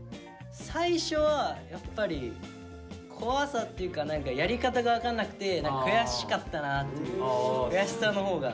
最初はやっぱり怖さっていうか何かやり方が分かんなくて悔しかったなっていう悔しさのほうが。